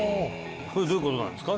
どういうことなんですか？